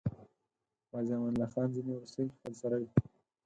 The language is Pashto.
عازي امان الله خان ځینې وروستۍخپلسرۍ.